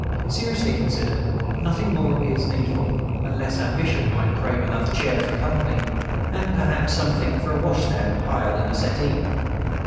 Seriously considered, nothing more appears needful, unless ambition might crave another chair for company, and, perhaps, something for a wash stand higher than a settee.